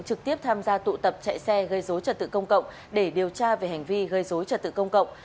trực tiếp tham gia tụ tập chạy xe gây dối trật tự công cộng để điều tra về hành vi gây dối trật tự công cộng